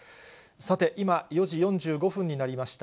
さて、今、４時４５分になりました。